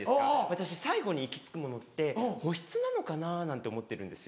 私最後に行き着くものって保湿なのかななんて思ってるんですよ。